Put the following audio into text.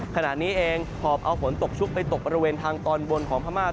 ขณะนี้เองหอบเอาฝนตกชุกไปตกบริเวณทางตอนบนของพม่า